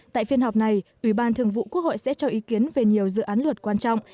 tại phiên họp này ủy ban thường vụ quốc hội sẽ cho ý kiến về nhiều dự án luật quan trọng